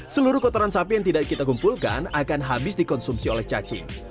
seluruh kotoran sapi yang tidak kita kumpulkan akan habis dikonsumsi oleh cacing